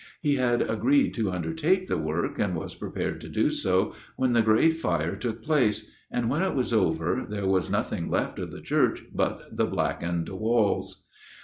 He had agreed to undertake the work, and was prepared to do so, when the Great Fire took place, and when it was over, there was nothing left of the church but the blackened walls.